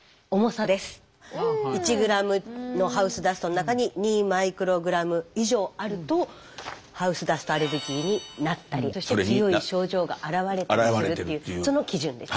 １ｇのハウスダストの中に２μｇ以上あるとハウスダストアレルギーになったり強い症状があらわれたりするというその基準です。